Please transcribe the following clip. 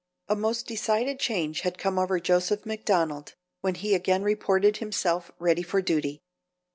A most decided change had come over Joseph McDonald when he again reported himself ready for duty.